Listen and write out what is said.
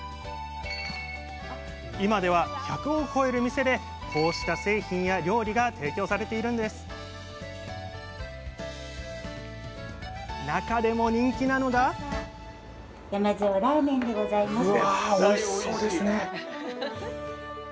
今では１００を超える店でこうした製品や料理が提供されているんです中でも人気なのがうわおいしそうですね。